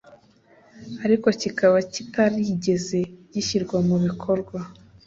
ariko kikaba kitarigeze gishyirwa mu bikorwa